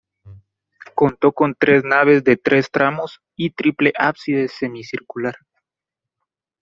Contó con tres naves de tres tramos y triple ábside semicircular.